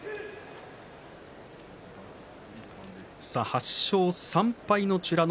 ８勝３敗の美ノ